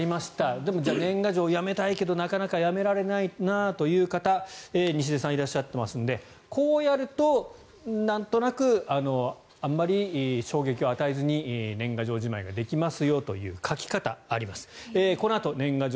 でも年賀状、やめたいけどなかなかやめられないなという方西出さんいらっしゃっていますのでこうやると、なんとなくあまり衝撃を与えずに今、年賀状をやめるという人が増えています。